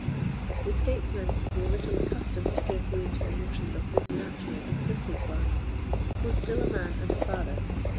The statesman, though little accustomed to give way to emotions of this natural and simple class, was still a man and a father.